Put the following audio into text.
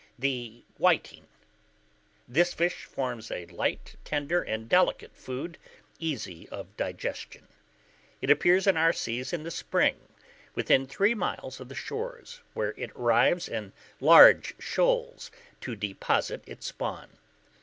] The Whiting. This fish forms a light, tender, and delicate food, easy of digestion. It appears in our seas in the spring, within three miles of the shores, where it arrives in large shoals to deposit its spawn.